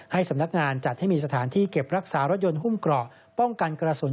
สำนักงานจัดให้มีสถานที่เก็บรักษารถยนต์หุ้มเกราะป้องกันกระสุน